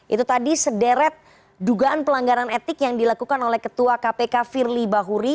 itu tadi sederet dugaan pelanggaran etik yang dilakukan oleh ketua kpk firly bahuri